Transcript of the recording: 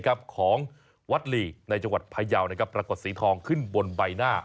ของวัดหลีในจังหวัดพยาวปรากฏสีทองขึ้นบนใบหน้า